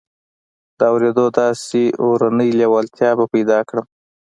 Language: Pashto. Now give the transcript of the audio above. د اورېدو داسې اورنۍ لېوالتیا به پيدا کړم.